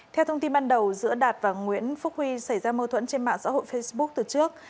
theo thông tin ban đầu giữa đạt và nguyễn phúc huy xảy ra mâu thuẫn trên mạng xã hội facebook từ trước